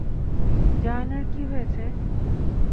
জায়নের কী হয়েছে?